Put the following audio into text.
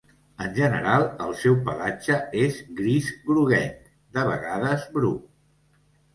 En general el seu pelatge és gris groguenc, de vegades bru.